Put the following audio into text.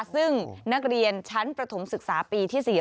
ซึ่งนักเรียนชั้นประถมศึกษาปีที่๔